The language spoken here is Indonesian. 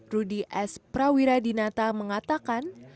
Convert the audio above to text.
rudi s prawiradinata mengatakan